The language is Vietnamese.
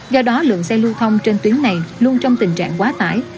do đó lượng xe lưu thông trên tuyến này luôn trong tình trạng quá tải